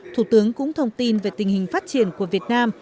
thủ tướng cũng thông tin về tình hình phát triển của việt nam